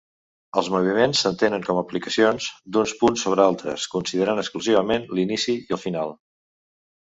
Els moviments s'entenen com aplicacions d'uns punts sobre altres, considerant exclusivament l'inici i el final.